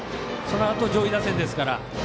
そのあと上位打線ですから。